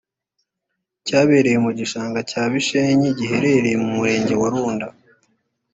cyabereye mu gishanga cya Bishenyi giherereye mu Murenge wa Runda